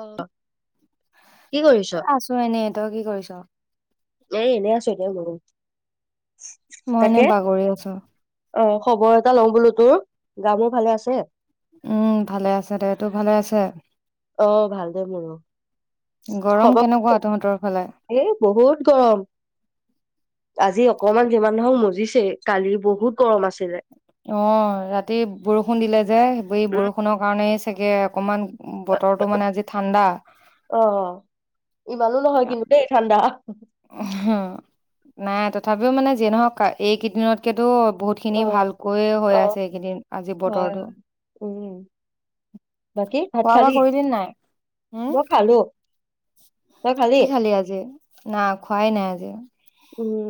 অ'। কি কৰিছ? আছোঁ এনেই তই কি কৰিছ? মই এনেই আছোঁ একে [inaudible] মই এনে বাগৰি আছোঁ। অ খবৰ এটা লওঁ বোলো তোৰ, গা মোৰ ভালে আছে? উম, ভালে আছে দে, তোৰ ভালে আছে? অ', ভালদে মোৰো। গৰম খব কেনেকুৱা তহঁতৰ ফালে? [inaudible] এ, বহুত গৰম। আজি অকমান যিমান নহওঁক মোৰ দিছে কালি বহুত গৰম আছিলে। অ', ৰাতি বৰষুণ দিলে যে ৱেই উম বৰষুণৰ কাৰণে চাগে অকণমান অ', ইমানো নহয় কিন্তু দেই ঠাণ্ডা। হ নাই, তথাপিও মানে যিয়ে নহওঁক এইকেইদিনতকেতো বহুতখিনি অ ভালকৈয়ে অ হৈ আছে এইকেইদিন আজি হয় বতৰটো। উম বাকী ভাত খোৱা খালি? বোৱা কৰিলি নে নাই? হম। মই খালো। কি খালি আজি? না খোৱাই নাই আজি। উম।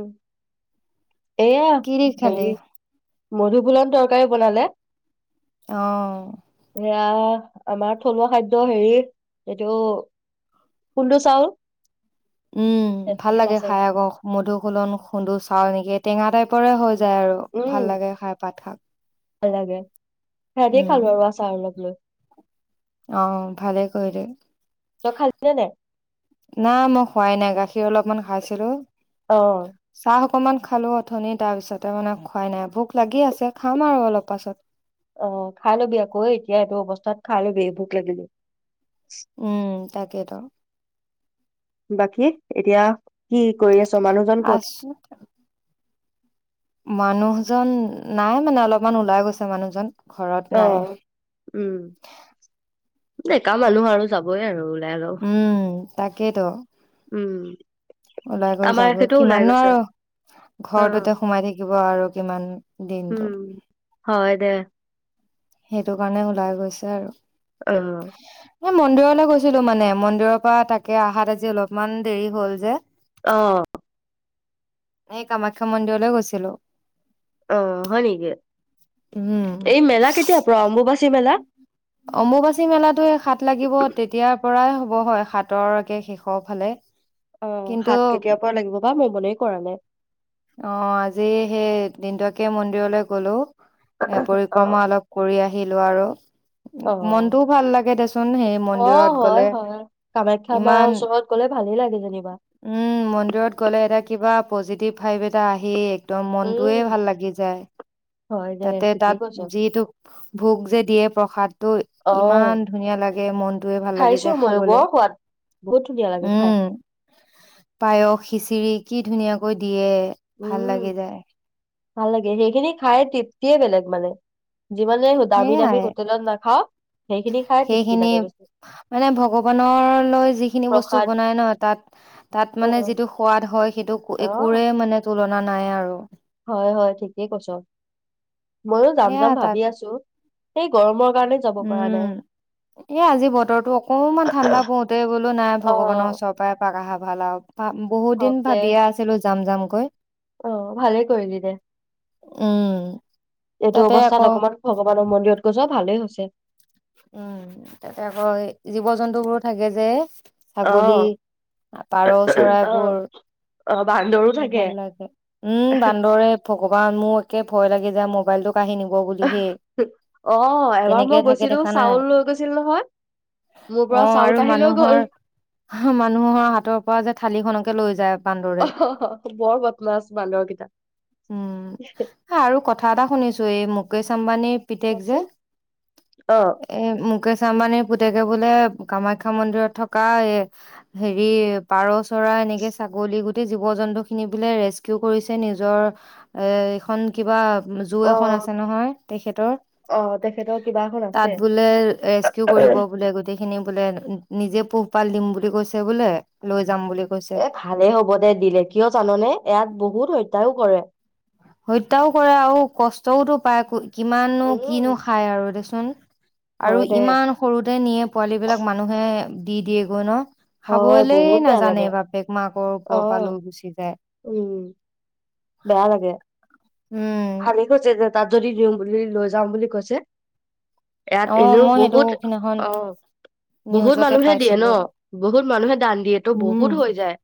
এয়া কি দি খালি? হেয়ি মধুবুলন তৰকাৰী বনালে। অহ। সেয়া আমাৰ থলুৱা খাদ্য হেৰি এইটো কুডো চাউ উম ভাল লাগে খাই আকৌ মধুকুলন খুন্দো চাউ নেকি টেঙা টাইপৰে হয় যায় আৰু উম ভাল লাগে খাই পাত শাক লাগে সেহতে উম, খাল বাৰু আছা আৰু লগ লৈ অ ভালে কৰিলে তই খাইছিলি নে নাই মই খোৱাই নাই গাখীৰ অলপমান খাইছিলোঁ অ অকমান খালো অথনি তাৰ পিছতে মানে খোৱাই নাই ভোক লাগি আছে খাম আৰু অলপ পাছত অ খাই ল'বি আকৌ এতিয়া এইটো অৱস্থাত খাই ল'বি ভোক লাগিলি উম তাকেইতো বাকী এতিয়া কি কৰি আছো মানুহজন কত? আছো মানুহজন নাই মানে অলপমান ওলাই গৈছে মানুহজন ঘৰত নাই আহ উম ডেকা মানুহ আৰু যাবই আৰু [inaudible] তাকেতো উম ওলাই গৈ আমাৰ যাব এখেতো ওলাই কিমাননো গৈছে আৰু অ ঘৰটোতে সোমাই থাকিব আৰু কিমান উম দিনটো হয় দে সেইটো কাৰণে ওলাই গৈছে আৰু অ এই মন্দিৰলৈ গৈছিলো মানে মন্দিৰৰ পৰা তাকে আহাত আজি অলপমান দেৰি হল যে অ এই কামাখ্যা মন্দিৰলৈ গৈছিলোঁ অ হয় নেকি উম এই মেলা কেতিয়া পৰা অম্বুবাচী মেলা অম্বুবাচী মেলাটো সাত লাগিব তেতিয়াৰ পৰাই হব হব হয় সাতৰকে শেষৰ ফালে অ কিন্তু সাত কেতিয়াৰ পৰা লাগিব বা মই মনে কৰা নাই অ আজি সেই দিনটোকে মন্দিৰলৈ গলো এ অ পৰিক্ৰমা অলপ কৰি আহি আহিলোঁ আৰু অ মনটোও ভাল লাগে দেচোন সেই অ', মন্দিৰত হয়, গলে হয়। কামাখ্যা মাৰ ইমান ওচৰত গ'লে ভালেই লাগে যেনিবা। উম মন্দিৰত গলে এটা কিবা পজিটিভ ভাইব এটা‌‌ আহেই। একদম মনটোৱে উম, ভাল লাগি যায়। হয় দে তাতে, তাত ঠিকেই কৈছ। যিটো ভোগ যে, দিয়ে প্ৰসাদ ত' ইমান অ', ধুনীয়া লাগে মনটোৱে ভাল লাগি খাইছো যায় ময়ো খাবলে। বৰ সোৱাদ বহুত ধুনীয়া লাগে খাই। উম, পায়স, খিচিৰি। কি ধুনীয়াকৈ দিয়ে। ভাল উম, লাগি যায়। ভাল লাগে সেইখিনি খাই তৃপ্তিয়ে বেলেগ মানে। যিমানে দামী দামী সেইয়াই। হোটেলত নাখাওঁ সেইখিনি খাই তৃপ্তি সেইখিনি লাগে বেছি। মানে ভগৱানৰ লৈ যিখিনি বস্তু প্ৰসাদ বনাই ন, তাত, তাত মানে অ', যিটো সোৱাদ হয়, সেইটো অ', একোৰে মানে তুলনা নাই আৰু। হয়, হয়, ঠিকেই কৈছ। ময়ো যাম, সেয়া যাম তাত ভাবি আছোঁ। সেই গৰমত উম, এই আজি বতৰটো অকনমান ঠাণ্ডা পৰোতেই বোলো নাই, ভগৱানৰ অ', ওচৰৰ পৰাই এপাক আহা ভাল আৰু। ভা বহুত হওক দিন দে। ভাবিয়ে আছিলোঁ যাম, যাম কৈ অ', ভালেই কৰিলি দে। উম। এইটো তাতে আকৌ অৱস্থাত অকমান ভগৱানৰ মন্দিৰত গৈছ! ভালেই হৈছে। উম, তাতে আকৌ এ, জীৱ-জন্তুবোৰো থাকে যে। ছাগলী, অ', পাৰ অ', চৰাইবোৰ। অ', বান্দৰো এ থাকে। ভাল লাগে। উম, বান্দৰে, ভগৱান! মোৰ একে ভয় লাগে যে মোবাইলটোক কাঢ়ি নিব বুলি হেই। অ', এবাৰ কেনেকে মই থাকে গৈছিলো দেখা নাই? চাউল লৈ গৈছিল নহয়, মোৰ পৰা অ', চাউল আৰু কাঢ়ি লৈ গ'ল। মানুহৰ, মানুহৰ হাতৰ পৰা যে থালি খনকে লৈ যায় অ', বান্দৰে। বৰ বদমাছ বান্দৰকিতা চো এই মুকেশ আম্বানীৰ পিতেক যে, অ'। এই মুকেশ আম্বানীৰ পুতেকে বোলে কামাখ্যা মন্দিৰত থকা এ, হেৰি পাৰ চৰাই এনেকে ছাগলী গুট জীৱ জন্তু খিনি বোলে ৰেস্কিউ কৰিছে? নিজৰ এ এইখন কিবা জু এখন অ', আছে নহয়, তেখেতৰ অ', তেখেতৰ কিবা এখন আছে। তাত বোলে ৰেস্কিউ কৰিব বোলে গোটেইখিনি বোলে নিজে পোহপাল দিম বুলি কৈছে বোলে লৈ যাম বুলি কৈছে এ ভালেই হ'ব দে দিলে কিয় জাননে? ইয়াত বহুত হত্যা কৰে। হত্যাও কৰে আৰু কষ্টওতো পায়। কিমাননো, উম, কিনো খায় আৰু দেচো [unintelligible] হয় আৰু দে ইমান সৰুতে নিয়ে পোৱালী বিলাক মানুহে দি দিয়ে গৈ ন? হয় খাবলে বহুত বেয়া লাগে নাজানে বাপেক, মাকৰ ওপৰৰ পৰা অ', লৈ গুচি যায়। উম। বেয়া লাগে। উম খালি [unintelligible] যে তাত যদি দিওঁ বুলি লৈ যাওঁ বুলি কৈছে ইয়াত অ', এনেও মই সেইটো বহুত সিদিনাখন অ'। বহুত নিউজতে মানুহে দিয়ে ন পাইছিলো বহুত মানুহে দান দিয়েতো বহুত উম, হৈ যায়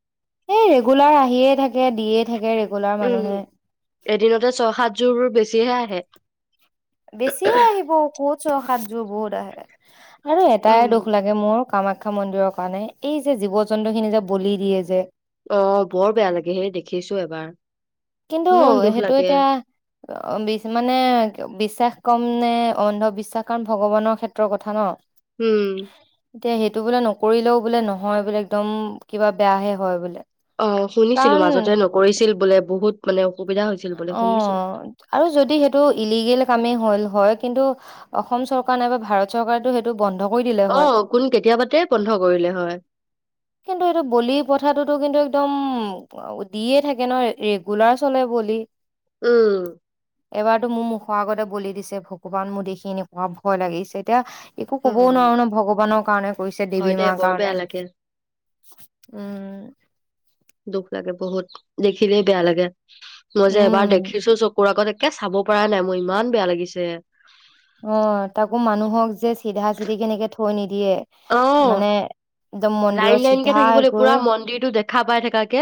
এই ৰেগুলাৰ আহিয়ে থাকে দিয়ে থাকে ৰেগুলাৰ মানুহে। উম এদিনতে ছয়, সাতযোৰ বেছিহে আহে। বেছিয়ে আহিব ক'ত ছয়, সাত যোৰ বহুত আহে। আৰু এটাই উম দুখ লাগে মোৰ কামাখ্যা মন্দিৰৰ কাৰণে এই যে, জীৱ জন্তু খিনি যে, বলি দিয়ে যে অ', বৰ বেয়া লাগে সেই দেখিছো এবাৰ। কিন্তু ইমান দুখ সেইটো লাগে এতিয়া বিচ মানে বিশ্বাস কম নে অন্ধবিশ্বাস কাৰণ ভগৱানৰ ক্ষেত্ৰৰ কথা ন? উম এতিয়া সেইটো বোলে নকৰিলেও বোলে নহয়, বোলে একদম কিবা বেয়াহে হয়, বোলে। অ', শুনিছিলো কাৰণ মাজতে নকৰিছিল বোলে বহুত মানে অসুবিধা হৈছিল বোলে শুনিছো অ', আৰু যদি সেইটো ইলিগেল কামেই হ'ল হয় কিন্তু অসম চৰকাৰ নাইবা ভাৰত চৰকাৰেটো সেইটো বন্ধ কৰি দিলে হয়। অহ, কোন কেতিয়াবাতেই বন্ধ কৰিলে হয়। টো কিন্তু একদম দিয়ে থাকে ন' ৰেগুলাৰ চলে বুলি। [inaudible] উম। এবাৰটো মোৰ মুখৰ আগতে বলি দিছে ভগৱান মোৰ দেখি পুৱা ভয় লাগিছে এতিয়া একো অ ক'বও নোৱাৰো ন' ভগৱানৰ কাৰণে কৰিছে হয় দেৱী দে মাৰ বৰ বেয়া কাৰণে, লাগে উম। দুখ লাগে বহুত দেখিলেই বেয়া লাগে। মই যে এবাৰ উম দেখিছো চকুৰ আগত তে চাব পৰা নাই মোৰ ইমান বেয়া লাগিছে। অ', তাকো মানুহক যে চিধা চিধি কেনেকে থৈ নিদ দিয়ে অ মানে একদম লাইন মন্দিৰত লাইন কে চিধা থাকিব লাগিব পুৰা গৈ মন্দিৰটো দেখা পাই থাকাকে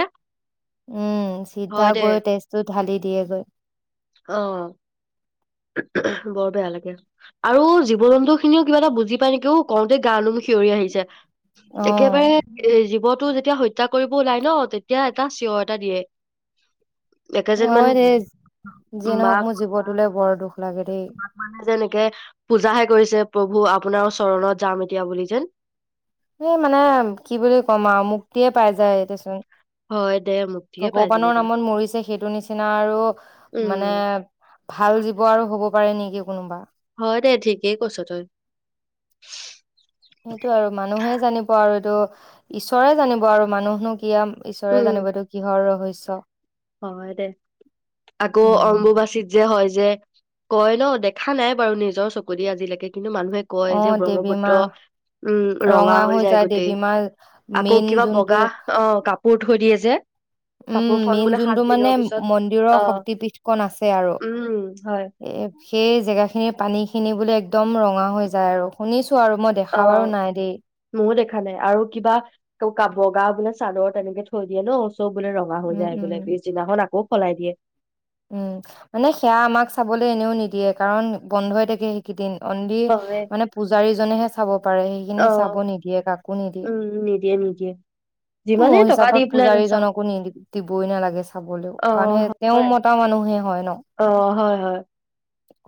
উম, চিধা হয় দে গৈ তেজটো ঢালি দিয়েগৈ। অ বৰ বেয়া লাগে আৰু জীৱ জন্তু খিনিও কিবা এটা বুজি পাই নেকিও কওঁতে গানুম সিঞৰি আহিছে। অ একেবাৰে জীৱন টো যেতিয়া হত্যা কৰিব ওলাই ন' তেতিয়া এটা চিঞৰ এটা দিয়ে। একে যেন মান অ', দেই যি নহক মোৰ জীৱতলে বৰ দুখ। লাগে দেই [unintelligible] কে পূজাহে কৰিছে প্ৰভু আপোনাৰ চৰণত যাম এতিয়া বুলি যেন এই মানে কি বুলি ক'ম আৰু মুক্তিয়ে পাই যায় দেচোন। হয় দে মুক্তিয়ে পাই ভগৱানৰ যেনিবা নামত মৰিছে সেইটো নিচিনা আৰু উম মানে ভাল জীৱ আৰু হ'ব পাৰে নেকি কোনোবা? হয়, দে ঠিকেই কৈছ তই। সেইটো আৰু মানুহে জানিব আৰু ত' ঈশ্বৰে জানিব আৰু মানুহনো কি আ ঈশ্বৰে উম জানিবতো কিহৰ ৰহচ ত হয়, দে আকৌ উম অম্বুবাচীত যে, হয় যে, কয় ন দেখা নাই বাৰু নিজৰ চকু দি আজিলেকে কিন্তু মানুহে কয় অ যে, দেৱী ব্ৰহ্মপুত্ৰ মা উম, ৰঙা হৈ যায় গোটেই আকৌ মেইন কিবা যোনটো বগা অ', কাপোৰ থৈ দিয়ে যে কাপোৰখন বোলে টো মানে দিনৰ পিছত মন্দিৰৰ অ শক্তিপীঠ কন আছে আৰু উম হয় এ সেইজেগা খিনিৰ পানীখিনি বোলে একদম ৰঙা হৈ যায় আৰু শুনি আৰু মই দেখা বাৰু নাই দেই। খালে আৰু কিবা ক ব গা বিলাক চাদৰ তেনেকে থৈ দিয়ে ন' চব বোলে ৰঙা হৈ উম যায় বোলে উম পিছদিনাখন আকৌ সলাই দিয়ে। উম, মানে সেয়া আমাক চাবলৈ এনেও নিদিয়ে কাৰণ বন্ধ হৈ থাকে সেইকেইদিন। অনলি হয় মানে পূজাৰীজনেহে চাব পাৰে অ সেইখিনি চাব নিদিয়ে কাকো নিদিয়ে উম নিদিয়ে নিদিয়ে মোৰ যিমানেই টকা দি হিচাপত পেলাই নাচাও পূজাৰীজনকো নিদ দিবই নালাগে চাবলৈও অ কাৰণ সেই তেওঁ হয় ম এটা মানুহে হয় ন'। অ হয় হয়।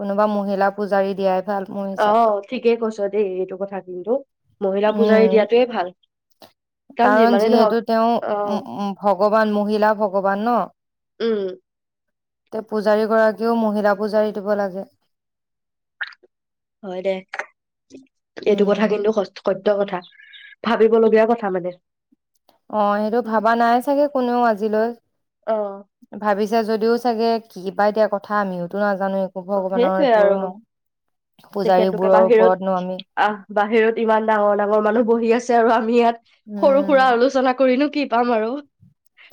কোনোবা মহিলা পূজাৰী দিয়াই ভাল মোৰ হিচাপত অ', ঠিকেই কৈছ'। দেই এইটো কথা কিন্তু মহিলা পূজাৰী উম দিয়াটোৱে ভাল। কাৰণ যিমানে যিহেতু নহওক তেওঁ অহ উম, ভগৱান মহিলা ভগৱান ন'। উম তে পূজাৰী গৰাকীয়েও মহিলা পূজাৰী দিব লাগে। হয় দে এইটো কথা উম কিন্তু স স সত্য কথা, ভাবিবলগীয়া কথা মানে। অ', সেইটো উম ভাবা নাই চাগে কোনেও আজিলৈ, অহ ভাবিছ যদিও চাগে কিবা এতিয়া কথা আমিওতো নাজান জানো একো ভগৱানৰ সেইটোৱে আৰু ন' পূজাৰী তেখেতলোকে বোৰৰ বাহিৰত ওপৰত নো আমি আহ বাহিৰত ইমান ডাঙৰ ডাঙৰ মানুহ বহি আছে আৰু আমি ইয়াত সৰু-সুৰা উম আলোচনা কৰিনো কি পাম আৰু।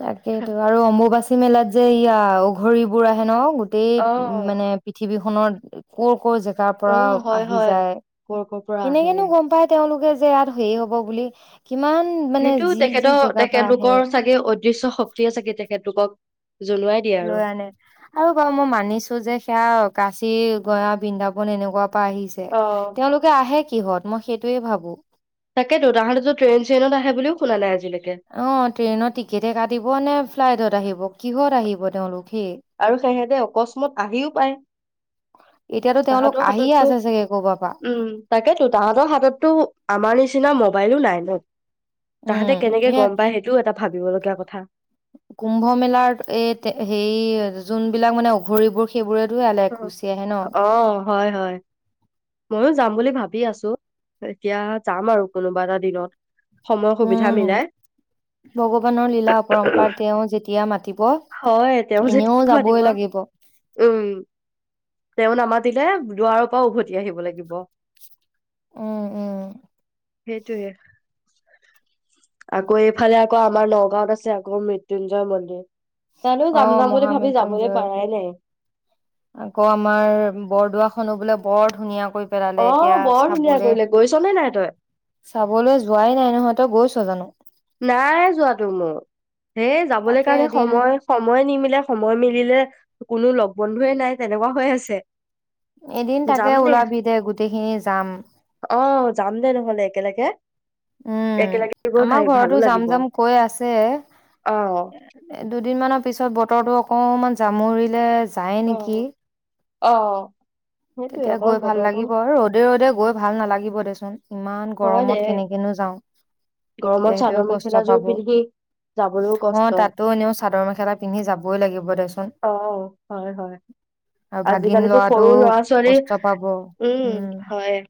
তাকেইেতো আৰু অম্বুবাচী মেলাত যে ইয়া ঘৰিবোৰ আহে ন' গোটেই উম, অহ মানে পৃথিৱী নৰ কৰ কৰ জে কাৰ পৰা অহ হয় আহি হয় যায় কৰ কৰ পৰা আহে কেনেকেনো গম পাই তেওঁলোকে যে ইয়াত হেৰি হ'ব বুলি কিমান মানে সেইটো যি যি জেগা পৰা আহে। দৃশ্য শক্তি আছে কেতিয়া সেতুকক লৈ আনে আৰু বাৰ মই মানিছো যে সেয়া কাচি গয়া, বৃন্দাবন এনেকুৱা আহিছে অহ তেওঁলোকে আহে কি কিহত মই সেইটোৱে ভাবোঁ। তাকেতো তাহাঁতেতো ট্ৰেইন, চেইনত আহে বুলিও শুনা নাই আজ অ', ট্ৰেইনৰ টিকেটে কাটিব নে ফ্লাইটত আহিব কিহত আহিব? তেওঁলোক সেই আৰু সিহেঁতে অকস্মত আহিও পায়। এতিয়াতো তেওঁলোক তাহঁতৰ আহিয়ে হাততো আছে চাগে কৰবাৰ পৰা উম, তাকেতো তাহাঁতৰ হাততো আমাৰ নিচিনা ম মবাইলো নাই ন? তাহাঁতে উম, কেনেকে এ গম পাই সেইটোও এটা ভাবিবলগীয়া কথা কুম্ভ মেলাৰ এ তে হেয়ি যোনবিলাক মানে অঘৰিবোৰ সেইবোৰে অ', হয়, হয় ময়ো যাম বুলি ভাবি আছো এতিয়া যাম আৰু কোনোবা এটা দিনত। সময় সুবিধা উম, মিলাই ভগৱানৰ লীলা পৰম্পৰা তেওঁ যেতিয়া মাতিব হয় তেওঁ এনেও যেতিয়া মাতিব যাবই লাগিব। উম তেওঁ নামাতিলে দুৱাৰৰ পৰা উভতি আহিব লাগিব। উম, উম। সেইটোৱে আকৌ এইফালে আকৌ আমাৰ নগাঁৱত আছে আকৌ মৃত্যুঞ্জয় মন্দিৰ। তালৈয়ো অ যাম, যাম বুলি ভাবি যাবলে মহামৃত্যুঞ্জয় পাৰাই নাই। আকৌ আমাৰ বৰদোৱাখনো বোলে বৰ ধুনীয়া। কৰি অ পেলালে এতিয়া বৰ ধুনীয়া চাবলে, কৰিলে গৈছ নে নাই তই চাবলৈ যোৱাই নাই নহয়, তই গৈচ জানো। নাই যোৱাটো মোৰ হে যাবলৈ তাকে কাৰণে এদিন সময় সময় নিমিলে, সময় মিলিলে কোনো লগ বন্ধুয়ে নাই তেনেকুৱা হৈ আছে। এদিন তাকে ওলাবি দে গোটেইখিনি যাম। অ যাম দে নহ'লে একেলগে। উম একেলগে গৈ আমাৰ ভাব ঘৰতো যাম যাম কৈ আছে। দুদিনমানৰ পিছত বতৰটো অকণমান জামুৰিলে চায়ে অ নেকি। অ'। সেইটোয়ে তেতিয়া অকণ গৈ ভাল বতৰটো লাগিব ৰ'দে ৰ'দে গৈ ভাল নালাগিব দেচো ইমান হয় দে গৰমত কেনেকনো যাওঁ, গৰমত দেহটোও চাদৰ কষ্ট মেখেলাযোৰ পাব অ', পিন্ধি যাবলৈও কষ্ট তাতো এনেও চাদৰ মেখেলা পিন্ধি যাবই লাগিব দেচোন। আৰু ভাগিন আজিকালিটো লৰাটো সৰু ল'ৰা ছোলী কষ্ট পাব উম, উম হয়।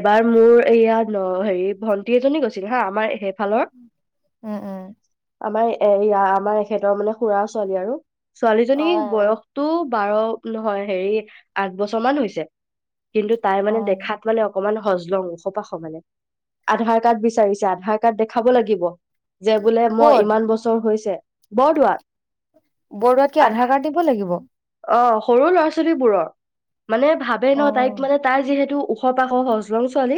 এবাৰ মোৰ এইয়াাত হেৰি ভন্টি এজনী গৈছিল হা আমাৰ সেইফালৰ উম, উম। আমাৰ এয়া আমাৰ এখেতৰ মানে খুৰা ছোৱালী আৰু। অ ছোৱালীজনীৰ বয়সটো বাৰ নহয় হেৰি আঠ বছৰ মান হৈছে। কিন্তু তাই অ মানে দেখাত মানে অকমান হজলং, ওখপাশ মানে আধাৰ কাৰ্ড বিচাৰিছে আধাৰ কাৰ্ড দেখাব লাগিব। যে বোলে মই ক'ত ইমান বছৰ হৈছে বৰদোৱাত বৰদোৱাত কি আ আধাৰ কাৰ্ড দিব লাগিব? অ সৰু ল'ৰা ছোৱালীবোৰৰ। মানে ভাবে অ ন তাইক মানে তাই যিহেতু। খ পাশ সহজ লং ছোৱালী।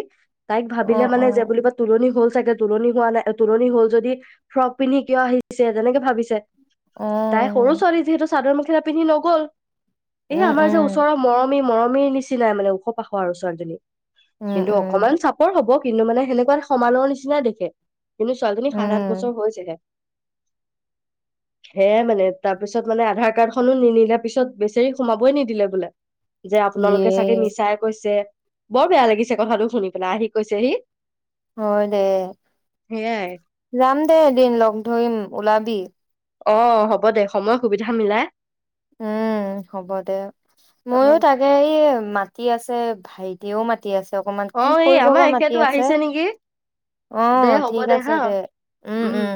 তাইক অ ভাবিলে মানে যে অ বুলিবা তুলনি হ'ল। চাগে তোুলনি হোৱা নাই তোুলনি হ'ল। যদি ফ্ৰক পিন্ধি কিয় আহিছে। তেনেকে ভাবিছে তাই সৰু ছোৱালী যিহেতু। চাদৰ মেখেলা পিন্ধি নগ'ল। এই আমাৰ যে ওচৰৰ মৰম। আমি মৰমী নিচিনাই মানে ওখ পাখ আৰু ছোৱালীজনী। কিন্তু অকমান চাপৰ হব। পিন্ধো মানে সেনেকুৱা সমানৰ নিচিনাই দেখে। কিন্তু ছোৱালীজনী সাত আাত বছৰ হৈছিলে। সেয়াই মানে তাৰপিছত মানে আধাৰ কাৰ্ডখনো নিনিলে পিছত বেচৰি সোমাবই নিদিলে বোলে। যে আপোনালোকে য়ে চাগে মিছাই কৈছে। বৰ বেয়া লাগিছে কথাটো শুনি পেলাই আহি কৈছেহি। হয় দে সেয়াই যাম দে এদিন লগ ধৰিম ওলাবি। অ হ'ব দে সময় সুবিধা মিলাই। উম হ'ব দে অ মইো তাকে এই মা। তি আছে ভাইটিও মা। ম আছে অকমান অ কি এই কৰিব আমাৰ বা মাতি এখেতো আছে। আহিছে নেকি অ দে হ'ব ঠিক আছে হা দে উম, উম।